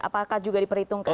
apakah juga diperhitungkan